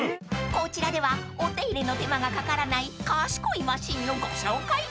［こちらではお手入れの手間がかからない賢いマシンをご紹介］